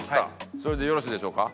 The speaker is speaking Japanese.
それでよろしいでしょうか？